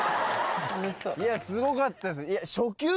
いやすごかったです。